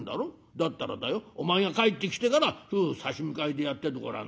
だったらだよお前が帰ってきてから夫婦差し向かいでやっててごらん。